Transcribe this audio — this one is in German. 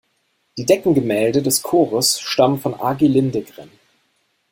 Die Deckengemälde des Chores stammen von Agi Lindegren.